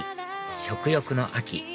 食欲の秋